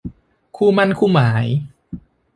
คู่หมั้นคู่หมาย